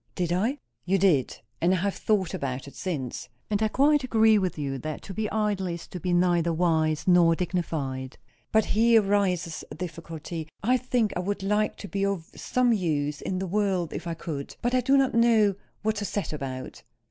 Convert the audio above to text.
"Did I?" "You did. And I have thought about it since. And I quite agree with you that to be idle is to be neither wise nor dignified. But here rises a difficulty. I think I would like to be of some use in the world, if I could. But I do not know what to set about."